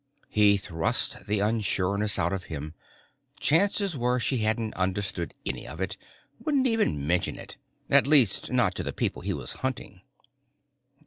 He thrust the unsureness out of him. Chances were she hadn't understood any of it, wouldn't even mention it. At least not to the people he was hunting.